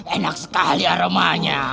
enak sekali aromanya